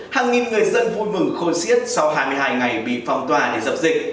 hàng nghìn người dân vui mừng khôi xiết sau hai mươi hai ngày bị phong tòa để dập dịch